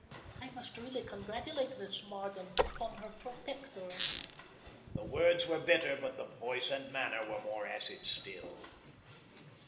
I must really congratulate Miss Marden upon her protector." The words were bitter, but the voice and manner were more acid still.